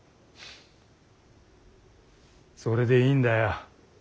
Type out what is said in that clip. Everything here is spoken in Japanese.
それでいいんだよ。